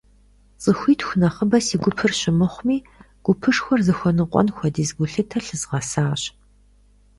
ЦӀыхуитху нэхъыбэ си гупыр щымыхъуми, гупышхуэр зыхуэныкъуэн хуэдиз гулъытэ лъызгъэсащ.